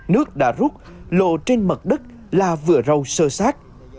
nước đã rút lộ trên mặt đất là vừa râu sơ sát